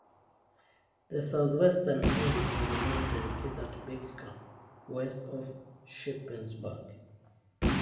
The southwestern end of the mountain is at Big Gap, west of Shippensburg.